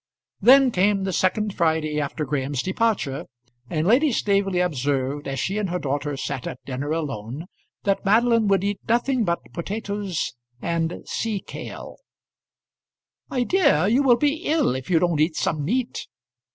Then came the second Friday after Graham's departure, and Lady Staveley observed, as she and her daughter sat at dinner alone, that Madeline would eat nothing but potatoes and sea kale. "My dear, you will be ill if you don't eat some meat."